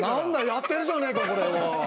やってるじゃねえかこれを。